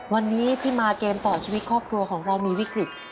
วันนี้ที่มาเกมต่อชีวิตครอบครัวของเรามีวิกฤต